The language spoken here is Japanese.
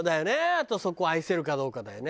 あとそこを愛せるかどうかだよね。